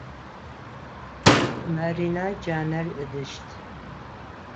Марина джанэр ыдыщт.